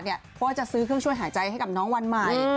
เพราะว่าจะซื้อเครื่องช่วยหายใจให้กับน้องวันใหม่